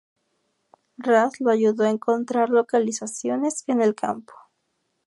Ray lo ayudó a encontrar localizaciones en el campo.